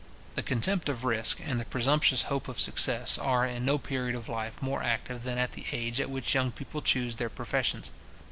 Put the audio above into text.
The contempt of risk, and the presumptuous hope of success, are in no period of life more active than at the age at which young people choose their professions.